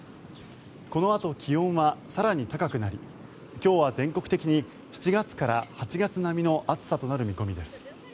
このあと気温は更に高くなり今日は全国的に７月から８月並みの暑さとなる見込みです。